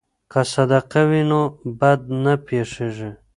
که صدقه وي نو بد نه پیښیږي.